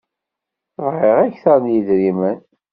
Bɣiɣ akteṛ n yedrimen.